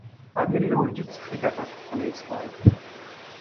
امیر له وجود څخه ګټه اخیستلای شوای.